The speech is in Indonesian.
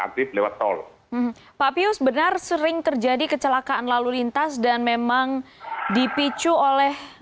kondisi lewat tol papius benar sering terjadi kecelakaan lalu lintas dan memang dipicu oleh